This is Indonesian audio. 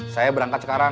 saya berangkat sekarang